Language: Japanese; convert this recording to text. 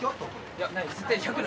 いやない。